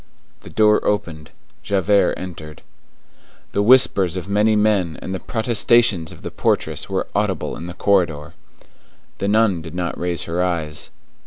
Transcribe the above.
The door opened. Javert entered. The whispers of many men and the protestations of the portress were audible in the corridor. The nun did not raise her eyes.